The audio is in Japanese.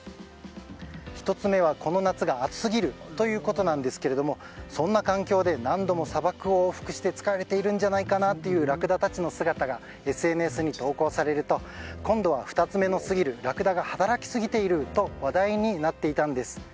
１つ目は、この夏が暑すぎるということなんですがそんな環境で何度も砂漠を往復して疲れているんじゃないかというラクダたちの姿がＳＮＳに投稿されると今度は２つ目のすぎるラクダが働きすぎていると話題になっていたんです。